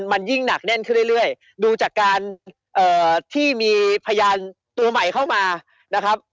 มันยิ่งหนักแน่นขึ้นเรื่อยดูจากการที่มีพยานตัวใหม่เข้ามานะครับ